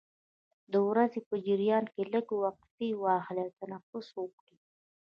د ورځې په جریان کې لږې وقفې واخلئ او تنفس وکړئ.